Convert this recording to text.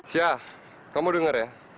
sya kamu dengar ya